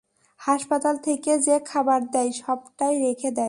হাসপাতাল থেকে যে- খাবার দেয়, সবটাই রেখে দেয়।